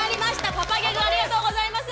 パパギャグありがとうございます。